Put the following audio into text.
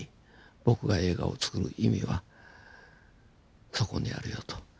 僕が映画をつくる意味はそこにあるよと。